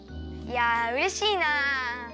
いやうれしいな。